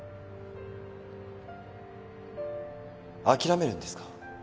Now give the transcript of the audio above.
あきらめるんですか？